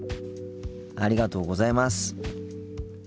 ありがとうございます。